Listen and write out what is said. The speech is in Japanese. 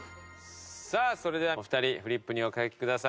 さあそれではお二人フリップにお書きください。